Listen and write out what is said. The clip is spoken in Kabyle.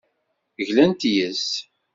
Glant yes-s.